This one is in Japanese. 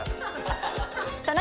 田中！